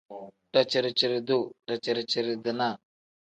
Daciri-ciri-duu pl: daciri-ciri-dinaa n.